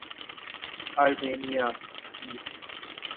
آرمینیائی